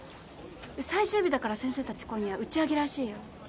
最終日だから先生たち今夜打ち上げらしいよ。